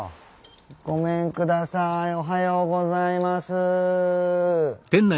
ごめんくださいおはようございます。